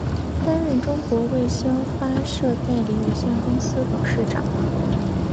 担任中国卫星发射代理有限公司董事长。